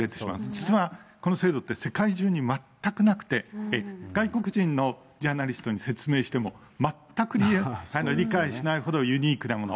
実はこの制度って世界中に全くなくて、外国人のジャーナリストに説明しても、全く理解しないほどユニークなもの。